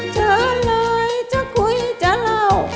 เธอเลยจะคุยจะเล่า